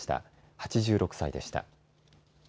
８６歳でした。